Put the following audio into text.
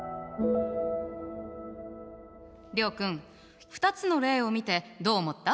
諒君２つの例を見てどう思った？